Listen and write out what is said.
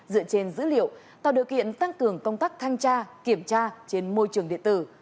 dựa trên dữ liệu tạo điều kiện tăng cường công tác thanh tra kiểm tra trên môi trường điện tử